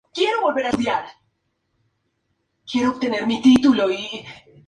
Durante todo el año, la plaza de toros se utiliza como aparcamiento público.